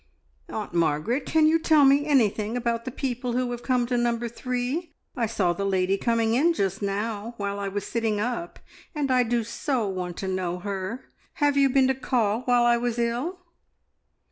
"Aunt Margaret, can you tell me anything about the people who have come to Number Three? I saw the lady coming in just now while I was sitting up, and I do so want to know her. Have you been to call while I was ill?"